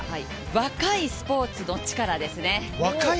若いスポーツのチカラですね。